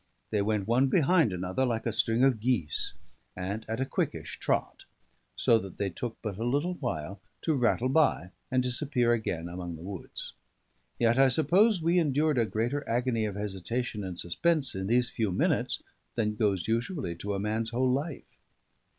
They went one behind another like a string of geese, and at a quickish trot; so that they took but a little while to rattle by, and disappear again among the woods. Yet I suppose we endured a greater agony of hesitation and suspense in these few minutes than goes usually to a man's whole life.